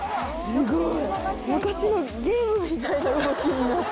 すごい。